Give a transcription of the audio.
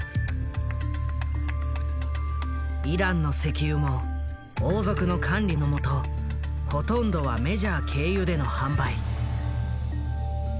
イランの石油も王族の管理の下ほとんどはメジャー経由での販売。